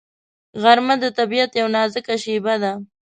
غرمه د طبیعت یو نازک شېبه ده